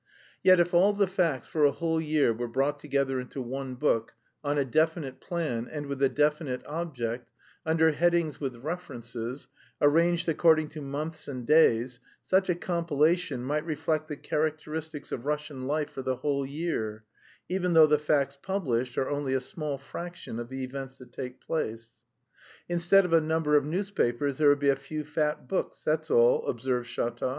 Yet if all the facts for a whole year were brought together into one book, on a definite plan, and with a definite object, under headings with references, arranged according to months and days, such a compilation might reflect the characteristics of Russian life for the whole year, even though the facts published are only a small fraction of the events that take place. "Instead of a number of newspapers there would be a few fat books, that's all," observed Shatov.